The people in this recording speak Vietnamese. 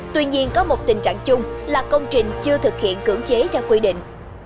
tuy nhiên có một tình trạng chung là công trình chưa thực hiện cưỡng chế cho quy định